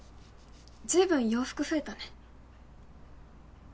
随分洋服増えたね